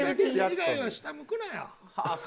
以外は下向くなよ。